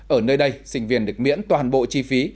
ở nơi đây sinh viên được miễn toàn bộ chi phí